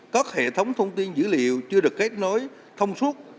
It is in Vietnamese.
các hệ thống thông tin dữ liệu chưa được kết nối thông suốt